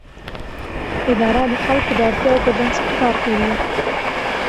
اداره د خلکو د اړتیاوو پر بنسټ کار کوي.